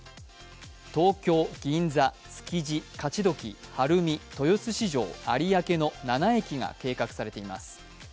東京、銀座、築地、勝どき、晴海、豊洲市場、有明の７駅が計画されています。